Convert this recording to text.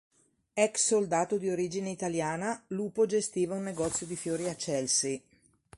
Ex-soldato di origine italiana, Lupo gestiva un negozio di fiori a Chelsea.